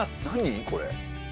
何これ？